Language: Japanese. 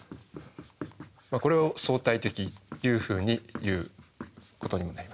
これを「相対的」っていうふうに言うことにもなりますが。